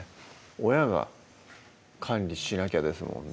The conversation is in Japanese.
親が管理しなきゃですもんね